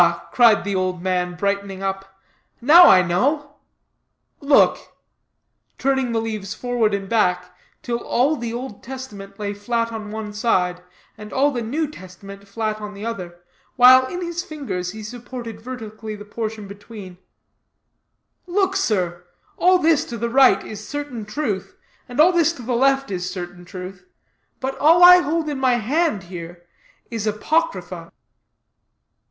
cried the old man, brightening up, "now I know. Look," turning the leaves forward and back, till all the Old Testament lay flat on one side, and all the New Testament flat on the other, while in his fingers he supported vertically the portion between, "look, sir, all this to the right is certain truth, and all this to the left is certain truth, but all I hold in my hand here is apocrypha."